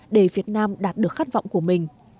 để việt nam đạt được khát vọng của mình